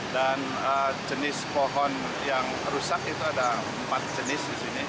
dan jenis pohon yang rusak itu ada empat jenis disini